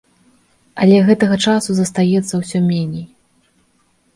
Але гэтага часу застаецца ўсё меней.